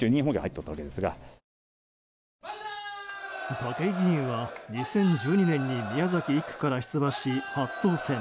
武井議員は２０１２年に宮崎１区から出馬し、初当選。